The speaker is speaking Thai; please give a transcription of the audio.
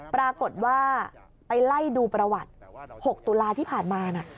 ปรากฏว่าไปไล่ดูประวัติ๖ตุลาที่ผ่านมานะ